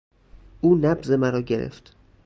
او نبض مرا گرفت.